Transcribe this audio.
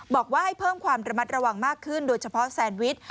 บอกว่าให้เพิ่มความระมัดระวังมากขึ้นโดยเฉพาะแซนวิช